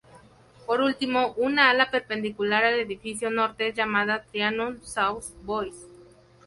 Por último, un ala perpendicular al edificio norte es llamada "Trianón-sous-bois".